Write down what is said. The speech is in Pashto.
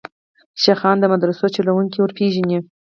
شیخان د مدرسو چلوونکي وروپېژني.